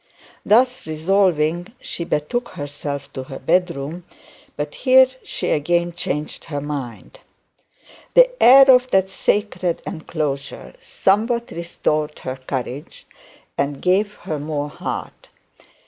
Thus resolving, she betook herself to her bed room; but here she again changed her mind. The air of that sacred enclosure restored her courage, and gave her some heart.